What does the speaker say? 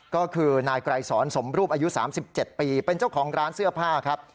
ก็คือนายไกรสอนสมรูปอายุ๓๗ปีเป็นเจ้าของร้านเสื้อผ้าครับ